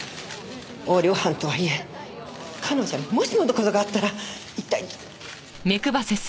横領犯とはいえ彼女にもしもの事があったら一体！